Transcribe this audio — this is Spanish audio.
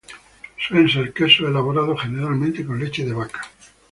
Suelen ser quesos elaborados generalmente con leche de vaca.